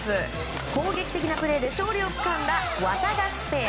攻撃的なプレーで勝利をつかんだワタヒガペア。